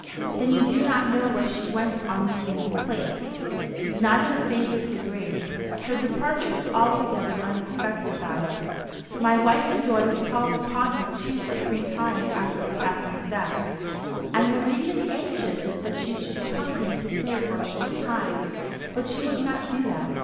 "Then you do not know where she went on leaving this place?" "Not in the faintest degree. Her departure was altogether unexpected by us. My wife and daughters called upon her two or three times after the Captain's death, and were even anxious that she should come here to stay for a short time; but she would not do that.